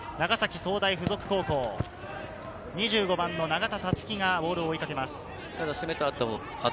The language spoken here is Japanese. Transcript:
長崎総大付属高校、２５番・永田樹がボールを追いかけます。